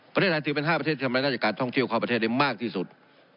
ประเทศไทยถือเป็น๕ประเทศที่ทำรายได้จากการท่องเที่ยวเข้าประเทศได้มากที่สุด